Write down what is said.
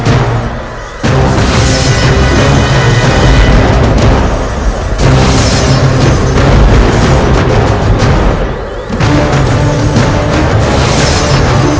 selasi selasi bangun